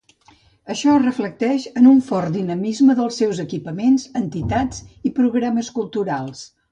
Això es reflecteix en un fort dinamisme dels equipaments, entitats, i programes culturals.